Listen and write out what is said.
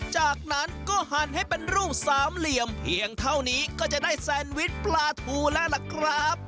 จากนั้นก็หั่นให้เป็นรูปสามเหลี่ยมเพียงเท่านี้ก็จะได้แซนวิชปลาทูแล้วล่ะครับ